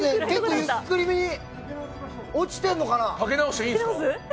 ゆっくりめに落ちてるのかな。